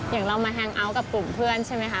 อย่างเรามาแฮงเอาท์กับกลุ่มเพื่อนใช่ไหมคะ